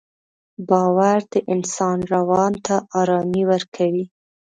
باور د انسان روان ته ارامي ورکوي.